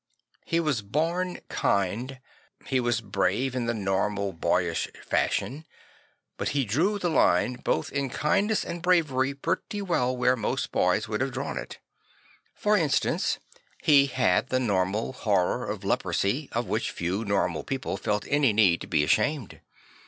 He was born kind; he was bra ve in the normal boyish fashion; but he drew the line both in kindness and bra very pretty \vell where most boys would have drawn it ; for instance, he had the human horror of leprosy of which few normal people felt any need to be ashamed.